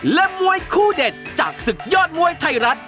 และมวยคู่เด็ดจากศึกยอดมวยไทยรัฐ